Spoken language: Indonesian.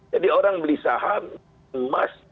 jadi orang beli saham emas